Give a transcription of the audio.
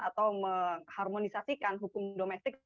atau mengharmonisasikan hukum domestik